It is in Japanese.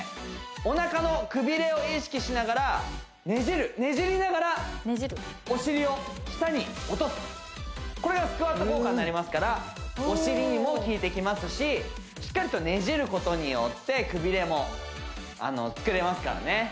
お腹のくびれを意識しながらねじるねじりながらお尻を下に落とすこれがスクワット効果になりますからお尻にも効いてきますししっかりとねじることによってくびれも作れますからね